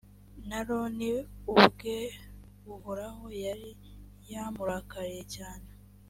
n’aroni ubwe uhoraho yari yamurakariye cyane,